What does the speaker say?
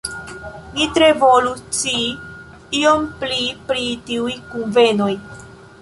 Mi tre volus scii iom pli pri tiuj kunvenoj.